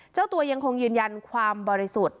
เจ้าตัวยังคงยืนยันความบริสุทธิ์